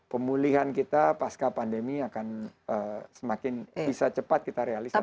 pemulihan kita pasca pandemi akan semakin bisa cepat kita realisasi